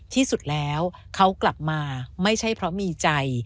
ที่สุดแล้วเขากลับมาไม่ใช่เพราะมีใจ